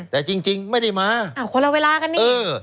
แต่จริงไม่ได้มาคนละเวลากันนี่